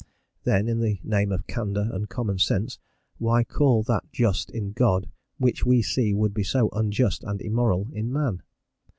Then, in the name of candour and common sense, why call that just in God which we see would be so unjust and immoral in man?